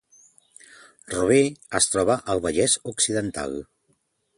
Rubí es troba al Vallès Occidental